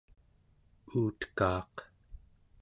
uuteka'aq